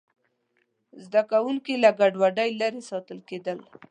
زده کوونکي له ګډوډۍ لرې ساتل کېدل.